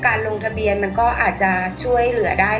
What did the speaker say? ลงทะเบียนมันก็อาจจะช่วยเหลือได้